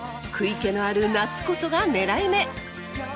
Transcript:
食い気のある夏こそが狙い目！